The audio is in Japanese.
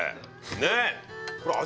ねっ？